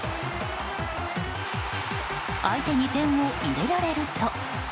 相手に点を入れられると。